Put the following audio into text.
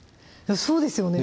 そうですよね